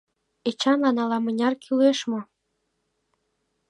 Эчанлан ала-мыняр кӱлеш мо?